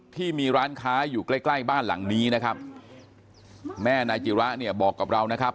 ที่มีร้านค้าอยู่ใกล้ใกล้บ้านหลังนี้นะครับแม่นายจิระเนี่ยบอกกับเรานะครับ